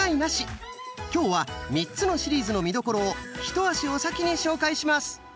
今日は３つのシリーズの見どころを一足お先に紹介します。